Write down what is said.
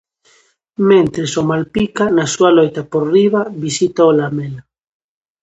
Mentres, o Malpica, na súa loita por riba, visita ao Lamela.